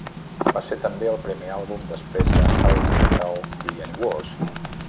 Va ser també el primer àlbum després de How Could Hell Be Any Worse?